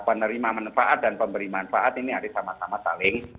penerima manfaat dan pemberi manfaat ini harus sama sama saling